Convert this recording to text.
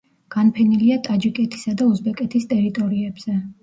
განფენილია ტაჯიკეთისა და უზბეკეთის ტერიტორიებზე.